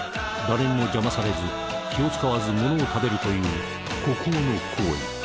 誰にも邪魔されず気を遣わずものを食べるという孤高の行為。